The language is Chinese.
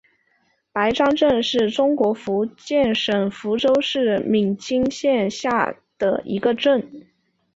白樟镇是中国福建省福州市闽清县下辖的一个镇。